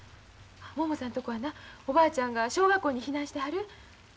ももさんとこはなおばあちゃんが小学校に避難してはる。